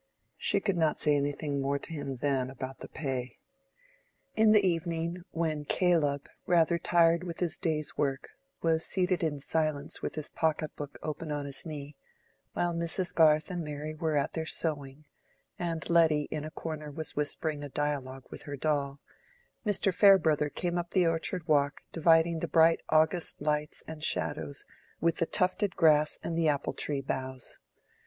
She could not say any more to him then about the pay. In the evening, when Caleb, rather tired with his day's work, was seated in silence with his pocket book open on his knee, while Mrs. Garth and Mary were at their sewing, and Letty in a corner was whispering a dialogue with her doll, Mr. Farebrother came up the orchard walk, dividing the bright August lights and shadows with the tufted grass and the apple tree boughs.